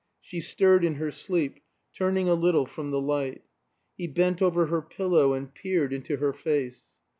She stirred in her sleep, turning a little from the light. He bent over her pillow and peered into her face.